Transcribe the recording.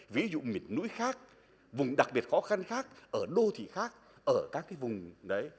ví dụ miền núi khác vùng đặc biệt khó khăn khác ở đô thị khác ở các cái vùng đấy